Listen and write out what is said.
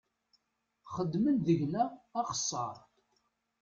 Xedmen deg-neɣ axessar.